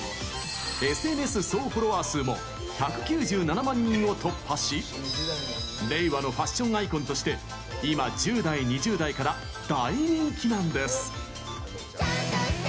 ＳＮＳ総フォロワー数も１９７万人を突破し令和のファッションアイコンとして今、１０代、２０代から大人気なんです！